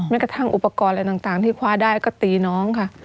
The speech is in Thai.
กระทั่งอุปกรณ์อะไรต่างที่คว้าได้ก็ตีน้องค่ะ